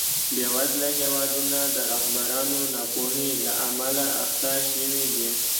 بېوزله هېوادونه د رهبرانو ناپوهۍ له امله اخته شوي دي.